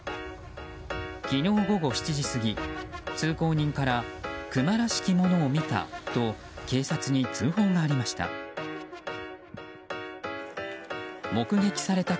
昨日午後７時過ぎ通行人からクマらしきものを見たと警察に通報がありました。